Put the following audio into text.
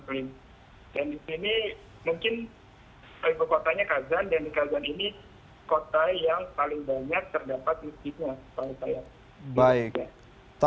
dan di sini mungkin ibu kotanya kazan dan di kazan ini kota yang paling banyak terdapat muslimnya